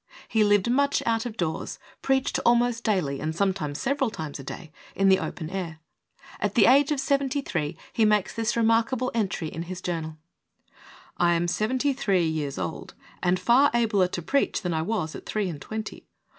He lived much out of doors, preached almost daily and sometimes several times a day in the open air. At the age of yz he makes this remarkable entry in his journal : "I am 73 years old and far abler to preach than I was at three and twenty.